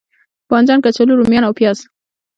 بانجان، کچالو، روميان او پیاز